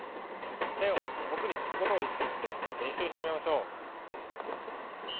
手をおくにつくことをいしきしてれんしゅうしてみましょう。